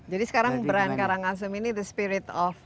jadi sekarang beran karangasem ini the spirit of bali